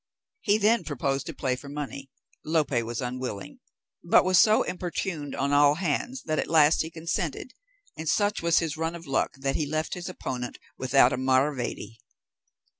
He then proposed to play for money: Lope was unwilling, but was so importuned on all hands, that at last he consented; and such was his run of luck that he left his opponent without a maravedi.